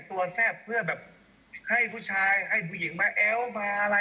แซ่บเพื่อแบบให้ผู้ชายให้ผู้หญิงมาแอ้วมาอะไร